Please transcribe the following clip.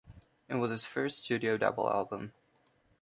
It was his first studio double album.